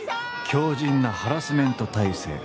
強じんなハラスメント耐性。